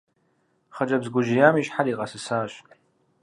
Хъыджэбз гужьеям и щхьэр игъэсысащ.